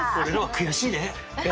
悔しいです。